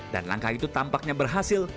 dan langkah itu tampaknya berhasil